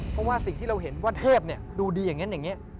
เพราะว่าสิ่งที่เราเห็นว่าเทพเนี่ยดูดีอย่างเงี้ย